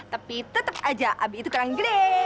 tapi tetep aja abi itu kurang gede